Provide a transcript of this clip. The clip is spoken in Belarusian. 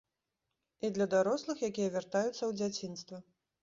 І для дарослых, якія вяртаюцца ў дзяцінства.